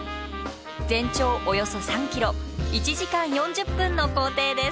全長およそ３ｋｍ１時間４０分の行程です。